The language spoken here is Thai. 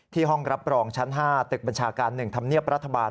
ห้องรับรองชั้น๕ตึกบัญชาการ๑ธรรมเนียบรัฐบาล